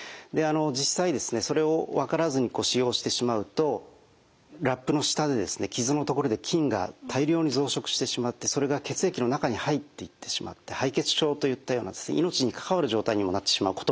実際それを分からずに使用してしまうとラップの下で傷の所で菌が大量に増殖してしまってそれが血液の中に入っていってしまって敗血症といったような命にかかわる状態にもなってしまうことさえあるんですね。